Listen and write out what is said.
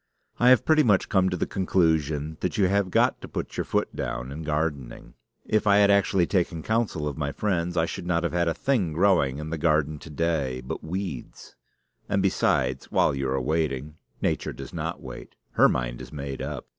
I have pretty much come to the conclusion that you have got to put your foot down in gardening. If I had actually taken counsel of my friends, I should not have had a thing growing in the garden to day but weeds. And besides, while you are waiting, Nature does not wait. Her mind is made up.